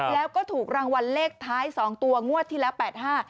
แล้วก็ถูกรางวัลเลขท้าย๒ตัวงวดทีละ๘๕